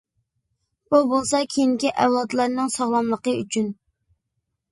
بۇ بولسا كېيىنكى ئەۋلادلارنىڭ ساغلاملىقى ئۈچۈن!